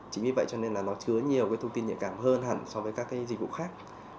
chính vì vậy cho nên là nó chứa nhiều thông tin nhạy cảm hơn hẳn so với các cái dịch vụ khác